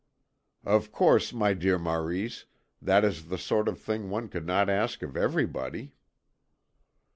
"Of course, my dear Maurice, that is the sort of thing one could not ask of everybody."